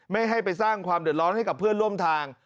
ไม่ให้ไปสร้างความเดือดร้อนให้กับเพื่อนร่วมทาง